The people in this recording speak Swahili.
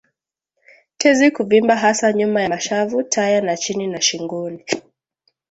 Tezi kuvimba hasa nyuma ya mashavu taya na chini na shingoni